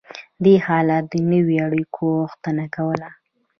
دې حالت د نویو اړیکو غوښتنه کوله.